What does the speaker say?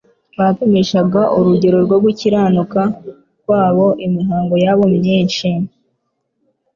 Bapimishaga urugero rwo gukiranuka kwabo imihango yabo myinshi,